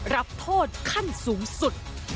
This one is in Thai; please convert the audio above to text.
รับโทษขั้นสูงสุด